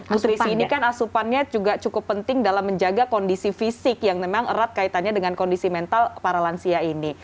bu trisi ini kan asupannya juga cukup penting dalam menjaga kondisi fisik yang memang erat kaitannya dengan kondisi mental para lansia ini